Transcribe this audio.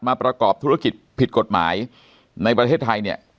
ประกอบธุรกิจผิดกฎหมายในประเทศไทยเนี่ย